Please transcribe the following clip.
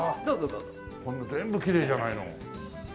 これも全部きれいじゃないの。